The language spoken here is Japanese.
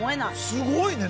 すごいね。